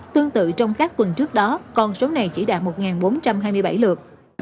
tương tự trong các tuần trước đó con số này chỉ đạt một bốn trăm hai mươi bảy lượt